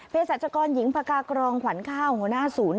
สัจกรหญิงพกากรองขวัญข้าวหัวหน้าศูนย์